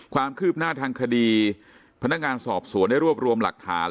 ความคืบหน้าทางคดีพนักงานสอบสวนได้รวบรวมหลักฐาน